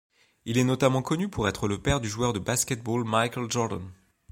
Il est notamment connu pour être le père du joueur de basket-ball Michael Jordan.